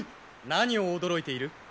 何を驚いている？